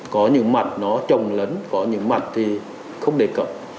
có những mặt nó trồng lấn có những mặt thì không đề cập